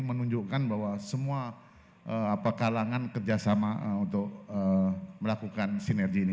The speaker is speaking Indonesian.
menunjukkan bahwa semua kalangan kerjasama untuk melakukan sinergi ini